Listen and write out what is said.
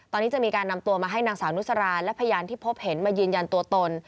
ตอนนี้จะมีการนำตัวมาให้นางสาวนุสราและพยานที่พบเห็นมายืนยันตัวตน